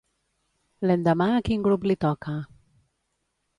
L'endemà a quin grup li toca?